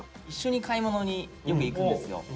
一緒に買い物によく行くんですよ。